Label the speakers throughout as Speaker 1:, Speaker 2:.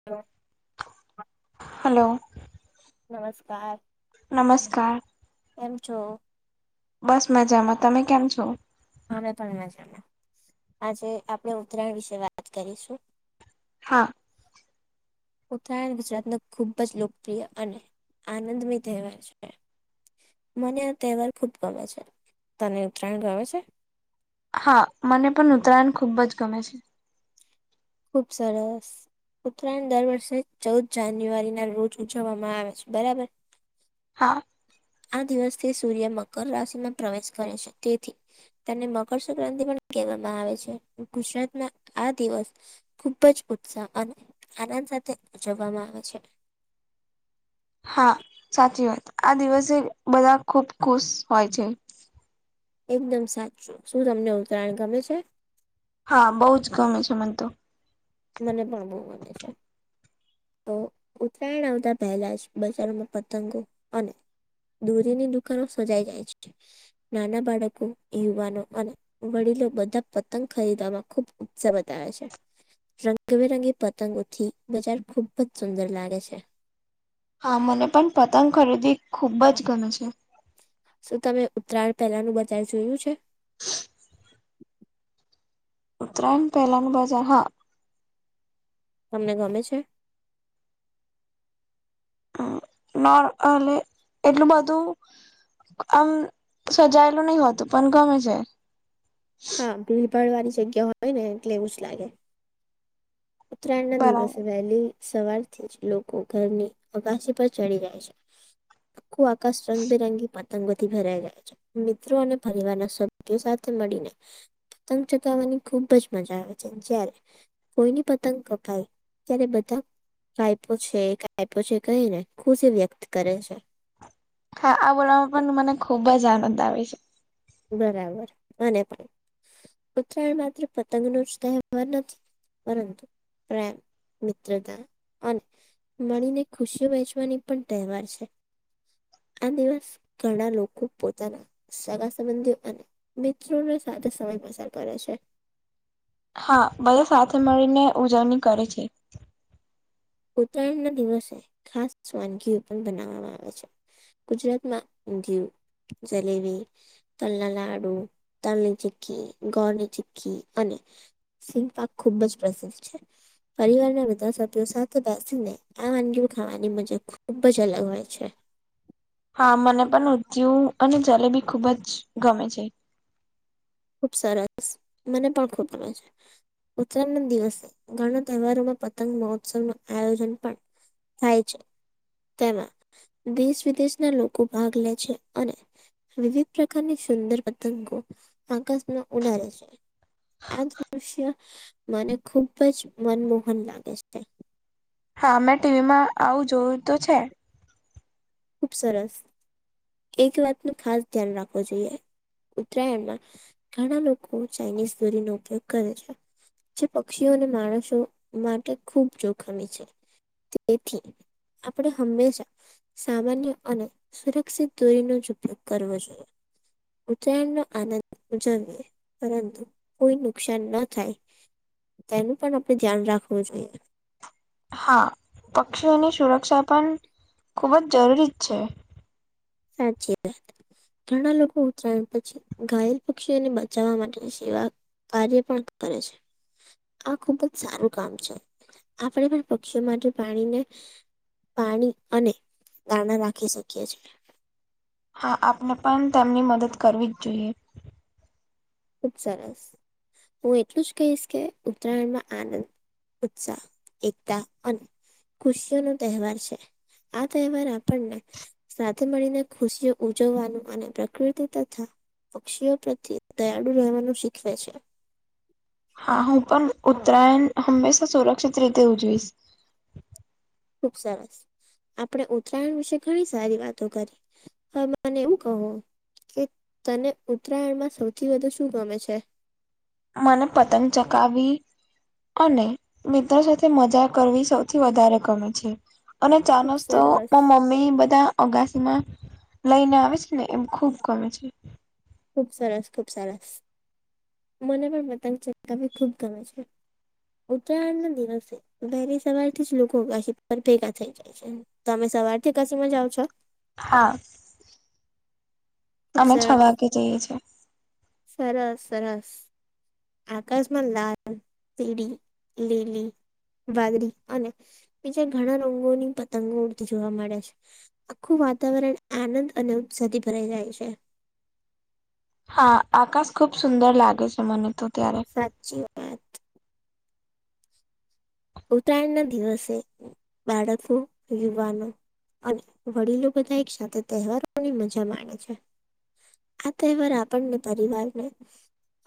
Speaker 1: હ [unintelligible]
Speaker 2: હલો.
Speaker 1: નમસ્કાર.
Speaker 2: નમસ્કાર.
Speaker 1: એમ છો.
Speaker 2: બસ મજામાં તમે કેમ છો.
Speaker 1: અમે પણ મજામાં આજે આપણેે ઉત્તરાયણ વિશે વાત કરીશું.
Speaker 2: હા.
Speaker 1: ઉત્તરાયણ ગુજરાતનો ખુબ જ લોકપ્રિય અને આનંદમય તહેવાર છે. મને આ તહેવાર ખુબ ગમે છે તને ઉત્તરાયણ ગમે છે.
Speaker 2: હા મને પણ ઉત્તરાયણ ખુબ જ ગમે છે.
Speaker 1: ખૂબ સરસ. ઉત્તરાયણ દર વર્ષે ચૌદ જાન્યુઆરી ના રોજ ઉજવવામાં આવે છે બરાબર.
Speaker 2: હા.
Speaker 1: આ દિવસથી સૂર્ય મકર રાશિમાં પ્રવેશ કરે છે તેથી. તેને મકરસક્રાંતિ પણ કહેવામાં આવે છે ગુજરાતમાં આ દિવસ. ખુબ જ ઉત્સાહ અને આનંદ સાથે ઉજવવામાં આવે છે.
Speaker 2: હા સાચી વાત આ દિવસે બધા ખુબ ખુશ હોય છે.
Speaker 1: એકદમ સાચું શું તમને ઉત્તરાયણ ગમે છે.
Speaker 2: હા બવજ ગમે છે મને તો.
Speaker 1: મને પણ બહુ મને છે. તો ઉત્તરાયણ આવતા પહેલા જ બજારોમાં પતંગો અને દોરીની દુકાનો સજાઈ જાય છે નાના બાળકો યુવાનો અને વડીલો બધા પતંગ ખરીદવામાં ખુબ ઉત્સાહ બતાવે છે. રંગબેરંગી પતંગોથી બજાર ખુબ જ સુંદર લાગે છે.
Speaker 2: હા મને પણ પતંગ ખરીદી ખુબ જ ગમે છે.
Speaker 1: શું તમે ઉત્તરાયણ પહેલાનું બજાર જોયું છે.
Speaker 2: ઉત્તરાયણ પહેલા બજાર માં
Speaker 1: તમને ગમે છે.
Speaker 2: નો એટલું બધું. આમ સજાયેલું નહી હોતું પણ ગમી જાય.
Speaker 1: હા ભીડ ભાડ વાળી જગ્યા હોય ને એટલે એવું જ લાગે. ઉત્તરાયણ ના
Speaker 2: બરાબર
Speaker 1: દિવસે વહેલી સવારથી જ લોકો ઘરની અગશી પર ચડી જાય છે. આંખુ આકાશ રંગબેરંગી બની- બધી ભેરાઈ ગયા છે. મિત્રો અને પરિવારના સભ્યો સાથે મળીને પતંગ ચગાવવાની ખુબ જ મજા આવે છે. જ્યારે કોઈની- પતંગ કપાઈ ત્યારે બધા કાયપો છે કાયપો છે કહી ને ખુશી વ્યક્ત કરે છે.
Speaker 2: હા આ બોલવામાં પણ મને ખૂબ જ આનંદ છે.
Speaker 1: બરાબર અને પણ ઉત્તરાયણ માત્ર પતંગનો જ તહેવાર નથી. પરંતુ પ્રેમ મિત્રતા અને મળીને ખુશીઓ વહેચવાની પણ તહેવાર છે. આ દિવસ ઘણા લોકો પોતાના સગા સંબંધીઓ અને મિત્રોને સાથે સમય પસાર કરે છે.
Speaker 2: હા બધા સાથે મળીને ઉજવણી કરે છે.
Speaker 1: ઉત્તરાયણ ના દિવસે ખાસ વાનગીઓ પણ બનાવવામાં આવે છે. ગુજરાતમાં ઉધિયું, જલેબી, તલના લાડુ તલની ચીકી ઘોની ચીકી અને સિંગ પાર્ક ખુબ જ પ્રસિદ્ધ છે. પરિવારના બધા સભ્યો સા તો બેસી ને આ વાનગીઓ ખાવાની મજા ખુબ જ અલગ હોય છે.
Speaker 2: હા મને પણ ઉંધીયું અને જલેબી ખુબ જ ગમે છે.
Speaker 1: ખુબ સરસ મને પણ ખુબ ગમે છે. ઉત્તરાયણ દિવસે ઘણા તહેવારો માં પતંગ મહોત્સવનું આયોજન પણ થાય છે. તેમાં દેશ વિદેશના લોકો ભાગ લે છે અને વિવિધ પ્રકારની સુંદર પતંગો આકાશમાં ઉડાવે છે. આ દ્રશ્ય મને ખુબ જ મનમોહન લાગે છે.
Speaker 2: હા મેં ટીવીમાં આવું જોયું તો છે.
Speaker 1: ખુબ સરસ એક વાતનું ખાસ ધ્યાન રાખવું જોઈએ. ઉત્તરાયણમાં ઘણા લોકો ચાઇનીઝ દોરીનો ઉપયોગ કરે છે. જે પક્ષીઓ અને માણસો માટે ખૂબ જોખમી છે. તેથી આપડે હંમેશા સામાન્ય અને સુરક્ષિત દોરીનો જ ઉપયોગ કરવો જોઈએ. ઉત્તયણનો આનંદ ઉજવીએ. પરંતુ કોઈ નુકસાન ન થાય તેનું પણ આપણે ધ્યાન રાખવું જોઈએ.
Speaker 2: હા પક્ષીઓની સુરક્ષા પણ ખુબ જ જરૂરી જ છે.
Speaker 1: સાચી વાત ઘણા લોકો ઉત્તરાયણ પછી ઘાયલ પક્ષીઓને બચાવવા માટેની સેવા કાર્ય પણ કરે છે. આ ખુબ જ સારું કામ છે. આપડે પણ પક્ષીઓ માટે પાણીને પાણી અને દાણા રાખી શકીએ છીએ.
Speaker 2: હા આપણે પણ તેમની મદદ કરવી જ જોઈએ.
Speaker 1: ખુબ સરસ હું એટલું જ કહીશ કે ઉત્તરાયણમાં આનંદ ઉત્સાહ એકતા અને ખુશીઓ નો તહેવાર છે. આ તહેવાર આપણને સાથે મળીને ખુશીઓ ઉજવવાનું અને પ્રકૃતિ તથા પક્ષીઓ પ્રત્યે દયાળુ રહેવાનું શીખવે છે.
Speaker 2: હા હું પણ ઉત્તરાયણ હંમેશા સુરક્ષિત રીતે ઉજવીશ.
Speaker 1: ખુબ સરસ આપણે ઉત્તરાયણ વિશે ઘણી સારી વાતો કરી. હા મને એવું કહો કે તને ઉત્તરાયણમાં સૌથી વધુ શું ગમે છે?
Speaker 2: મને પતંગ ચગાવી અને મિત્રો સાથે મજા કરવી સૌથી વધારે ગમે છે અને ચા
Speaker 1: ખુબ
Speaker 2: નાસ્તો
Speaker 1: સરસ
Speaker 2: મમ્મી બધા અગાસીમાં લઈને આવે છે ને એમ ખૂબ ગમે છે
Speaker 1: ખુબ સરસ ખુબ સરસ મને પણ પતંગ ચંગાવી ખુબ ગમે છે ઉત્તરાયણ ન દિવસે વહેલી સવારથી જ લોકો [unintelligible] પર ભેગા થાઈ છે એ છેન, તમે સવારથી કસીમાં જાઓ છો.
Speaker 2: હા
Speaker 1: ખુબ
Speaker 2: અમે છ
Speaker 1: સરસ
Speaker 2: વાગે જઈએ છીએ.
Speaker 1: સરસ સરસ. આકાશમાં લાલ, પીડી, લીલી. વાદળી અને બીજા ઘણા રંગોની પતંગો ઉડતી જોવા મળે છે. આખું વાતાવરણ આનંદ અને ઉત્સાથી ભરાઈ જાય છે.
Speaker 2: હા! આકાશ ખુબ સુંદર લાગે છે મને તો ત્યારે.
Speaker 1: સાચી વા ઉત્તરાયણના દિવસે બાળકો, યુવાનો. અને વડીલો બધા એક સાથે તહેવારોની મજા માણે છે. આ તહેવાર આપણને પરિવારને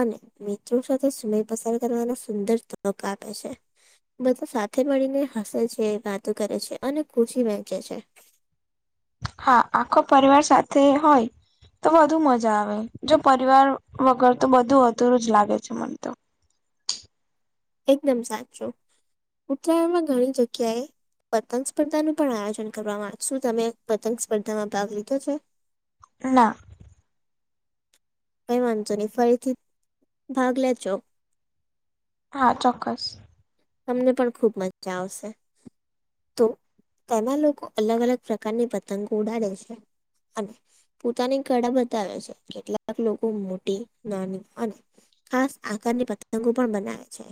Speaker 1: અને મિત્રો સાથે સમય પસાર કરવાનો સુંદર તક આપે છે. બધા સાથે મળીને હસે છે, વાતો કરે છે, અને ખુશી વહેંચે છે.
Speaker 2: હા! આખો પરિવાર સાથે હોય તો વધુ મજા આવે, જો પરિવાર વગર તો બધું અધુરુંજ લાગે છે મને તો.
Speaker 1: એકદમ સાચું, ઉત્તરાયણમાં ઘણી જગ્યાએ પતંગ સ્પર્ધા નું પણ આયોજન કરવામા આવે, શું તમે પતંગ સ્પર્ધામાં ભાગ લીધો છે? [inaudible]
Speaker 2: ના
Speaker 1: કઈ વાંધો નહી, ફરીથી ભાગ લેજો.
Speaker 2: હા ચોક્કસ.
Speaker 1: તમને પણ ખુબ મજા આવશે. તો, તેમાં લોકો અલગ અલગ પ્રકારની પતંગો ઉડાડે છે. અને પોતાની કળા બતાવે છે, કેટલાક લોકો મોટી, નાની અને ખાસ આકારની પતંગો પણ બનાવે છે.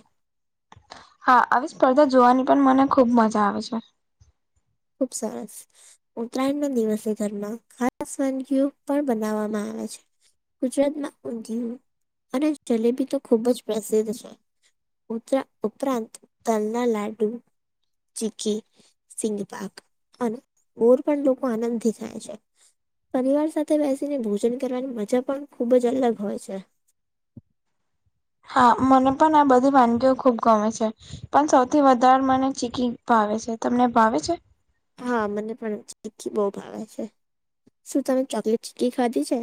Speaker 2: હા આવી સ્પર્ધા જોવાની પણ મને ખુબ મજા આવે છે.
Speaker 1: ખુબ સરસ. ઉત્તરાયણ ના દિવસે ઘરમાં ખાસ વાનગીઓ પણ બનાવવામાં આવે છે. ગુજરાતમાં ઊંધિયુ અને જલેબી તો ખુબજ પ્રસિદ્ધ છે. ઉતરા ઉપરાંત તલ ના લાડું, ચીકી, સિઘ પાક અને બોર પણ લોકો આનંદથી ખાએ છે. પરિવાર સાથે બેસીને ભોજન કરવાની મજા પણ, ખુબ જ અલગ હોય છે.
Speaker 2: હા, મને પણ આ બધી વાનગીઓ ખુબ ગમે છે. પણ સૌથી વધારે મને ચીકી ભાવે છે, તમને ભાવે છે?
Speaker 1: હા મને પણ ચીકી બહુ ભાવે છે, શું તમે ચોકલેટ ચીકી ખાધી છે?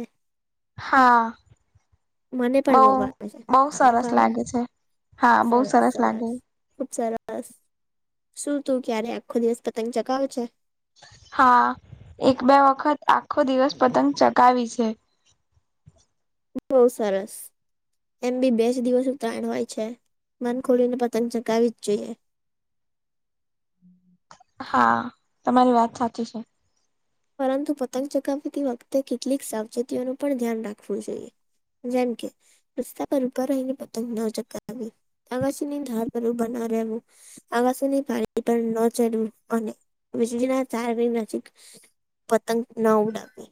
Speaker 2: હા,
Speaker 1: મને પણ
Speaker 2: બઉ,
Speaker 1: બહુ ભાવે છે.
Speaker 2: બહુ
Speaker 1: તમને
Speaker 2: સરસ
Speaker 1: ભાવે?
Speaker 2: લાગે છે. હા, બહુ સરસ લાગે.
Speaker 1: બસ, શું તું ક્યારે આખો દિવસ પતંગ ચગાવે છે?
Speaker 2: હા! એક બે વખત આખો દિવસ પતંગ ચગાવી છે.
Speaker 1: બહુ સરસ. એમ બી બેજ દિવસ ઉતરાયણ હોય છે, મન ખોલીને પતંગ ચગાવીજ જોઈએ.
Speaker 2: હા, તમારી વાત સાચી છે.
Speaker 1: પરંતુ પતંગ ચગાવતી વખતે, કેટલીક સાવચેતીઓનું પણ ધ્યાન રાખવું જોઈએ. જેમ કે રસ્તા પર ઉભા રહીને પતંગ ના ચગાવી, અગાસી ની ધાર પર ઊભા ના રહેવું. અગાસીની પારી પર ન ચડવું, અને વીજળીના તારની નજીક પતંગ ન ઉડાવી.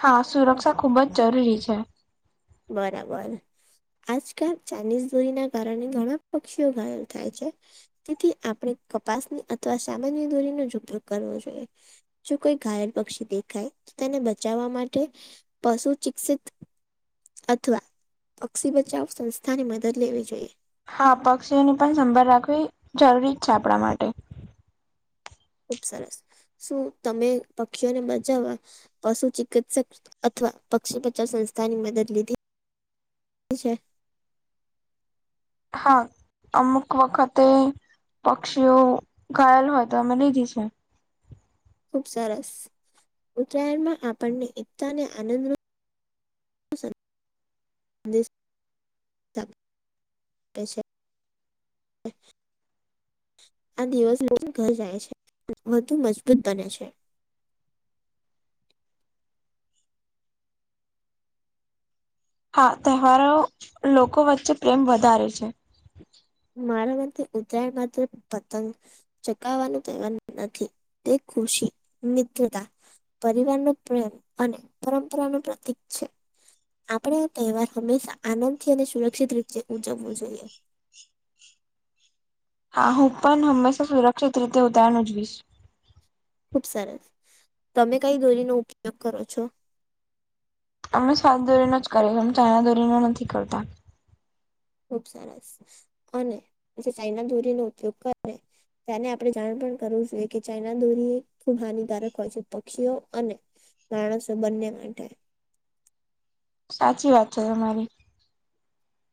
Speaker 2: હા, સુરક્ષા ખુબજ જરૂરી છે.
Speaker 1: બરાબર આજકાલ ચાઇનીઝ દોરીના કારણે ઘણા પક્ષીઓ ઘાયલ થાય છે તેથી આપણે કપાસની અથવા સામાન્ય દોરીનો જ ઉપયોગ કરવો જોઈએ જો કોઈ ઘાયલ પક્ષી દેખાય તો તેને બચાવવા માટે પશુ ચિક્ષિત અથવા પક્ષી બચાવ સંસ્થા ની મદદ લેવી જોઈએ
Speaker 2: હા પક્ષીઓની પણ સંભાળ રાખવી જરૂરી જ છે આપણા માટે
Speaker 1: ખુબ સરસ શું તમે પક્ષીઓને બચાવવા પશુ ચિકિત્સક અથવા પક્ષી બચાવ સંસ્થા ની મદદ લીધી [inaudible] છે
Speaker 2: હા અમુક વખતે પક્ષીઓ ઘાયલ હોય તો અમે લઈ જઇએ છે
Speaker 1: ખુબ સરસ ઉત્તરાયણ માં આપણને એકતા ને આનંદ નો હ સર [unintelligible] [inaudible] આ દિવસ લોકો [unintelligible] ઘર જાય છે વધુ મજબૂત બને છે
Speaker 2: હા તહેવારો લોકો વચ્ચે પ્રેમ વધારે છે
Speaker 1: મારા મતે ઉતયણ માત્ર પતંગ ચકાવવાનું તહેવાર નથી તે ખુશી મિત્રતા પરિવાર નો પ્રેમ અને પરંપરા નું પ્રતીક છે આપણે આ તહેવાર હંમેશા આનંદ થી અને સુરક્ષિત રીતે ઉજવવું જોઈએ
Speaker 2: હા હું પણ હંમેશા સુરક્ષિત રીતે ઉતરાયણ ઉજવીશ
Speaker 1: ખુબ સરસ તમે કઈ દોરીનો ઉપયોગ કરો છો
Speaker 2: અમે સાફ દોરીનો જ કરીએ અમે ચાાઈના દોરીનો નથી કરતા
Speaker 1: ખુબ સરસ અને જે ચાઈના દોરી નો ઉપયોગ કરે તેને આપણે જાણ પણ કરવું જોઈએ કે ચાઇના દોરીએ ખૂબ હાનિકારક હોય છે પક્ષીઓ અને માણસો બંને માટે
Speaker 2: સાચી વાત છે તમારી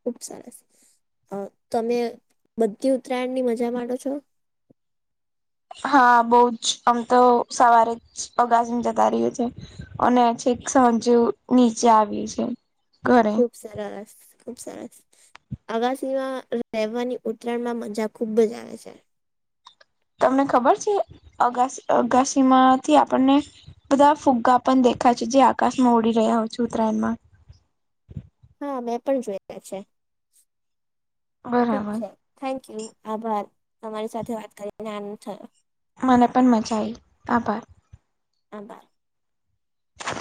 Speaker 1: ખુબ સરસ તમે બધી ઉત્તરાયણની મજા માંડો છો
Speaker 2: હા બહુ જ અમ તો સવારે જ અગાસી માં જતા રહીએ છે અને છેક સાંજે નીચે આવીએ છે ઘરે
Speaker 1: ખુબ સરસ ખુબ સરસ અગસી માં રહેવાની ઉત્તરાયણ માં મજા ખુબ જ આવે છે
Speaker 2: તમને ખબર છે અગાસી અગાસીમાંથી આપણને બધા ફુગ્ગા પણ દેખાય છે જે આકાશમાં ઉડી રહ્યા હોય છે ઉત્તરાયણમાં
Speaker 1: હા મેં પણ જોઈલા છે ઠીક
Speaker 2: બરાબર
Speaker 1: છે થેન્ક યુ આભાર તમારી સાથે વાત કરીને આનંદ થયો
Speaker 2: મને પણ મજા આવી આભાર
Speaker 1: આભાર